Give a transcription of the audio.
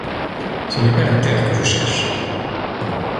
Ce n’est pas la terre que je cherche !